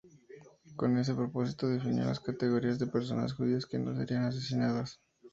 Con ese propósito, definió las categorías de personas judías que no serían asesinadas.